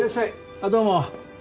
あっどうも。